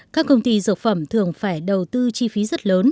các công ty dược phẩm thường phải đầu tư chi phí rất lớn